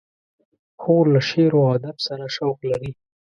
خور له شعر و ادب سره شوق لري.